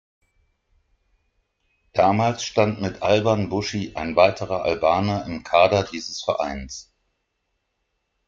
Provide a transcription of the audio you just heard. Damals stand mit Alban Bushi ein weiterer Albaner im Kader dieses Vereins.